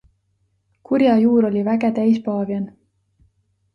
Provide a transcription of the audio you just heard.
Kurja juur oli väge täis paavian.